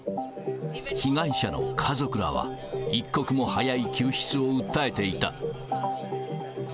被害者の家族らは、一刻も早い救出を訴えていた。